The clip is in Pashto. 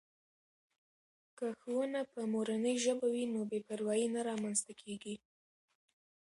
که ښوونه په مورنۍ ژبه وي نو بې پروایي نه رامنځته کېږي.